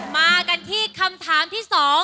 มากันที่คำถามที่๒